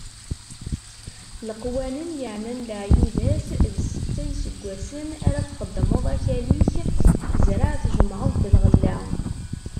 Leqwanen yeɛnan leɛyudat d Setta n iseggasen ara txeddmeḍ akal-ik, zreɛ tjemɛeḍ-d lɣella.